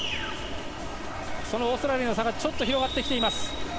そのオーストラリアの差が広がってきています。